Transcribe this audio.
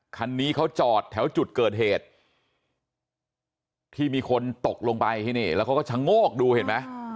คันนี้เขาจอดแถวจุดเกิดเหตุที่มีคนตกลงไปที่นี่แล้วเขาก็ชะโงกดูเห็นไหม